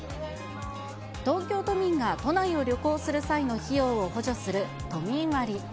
東京都民が都内を旅行する際の費用を補助する都民割。